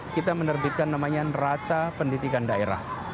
kita menerbitkan namanya neraca pendidikan daerah